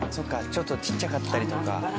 ちょっとちっちゃかったりとか。